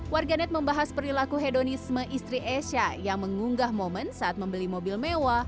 warganet membahas perilaku hedonisme istri esha yang mengunggah momen saat membeli mobil mewah